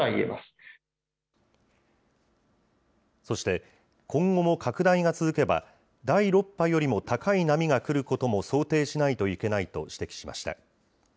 そして、今後も拡大が続けば、第６波よりも高い波が来ることも想定しないといけないと指摘しました。